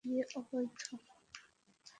চিকুরে নিয়ে আসবো?